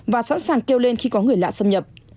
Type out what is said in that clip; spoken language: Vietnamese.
và sẵn sàng kêu lên khi có người lạ xâm nhập